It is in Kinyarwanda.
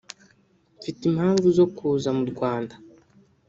mfite impavu zo kuza mu Rwanda